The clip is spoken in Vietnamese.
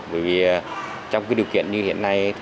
bởi vì trong điều kiện như hiện nay